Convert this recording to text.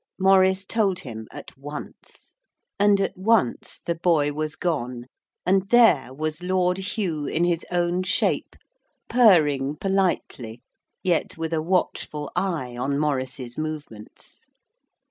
Maurice told him at once. And at once the boy was gone, and there was Lord Hugh in his own shape, purring politely, yet with a watchful eye on Maurice's movements.